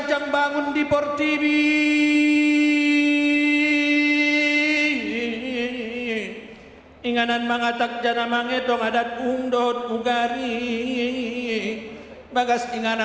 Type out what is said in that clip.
tentang prosesi ini saya ingin mengucapkan kepada anda